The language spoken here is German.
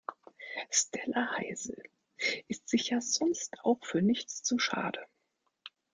Stella Heise ist sich ja sonst auch für nichts zu schade.